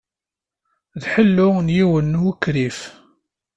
D ḥellu n yiwen n ukrif.